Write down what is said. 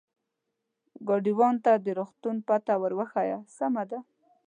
ګاډیوان ته د روغتون پته ور وښیه، سمه ده.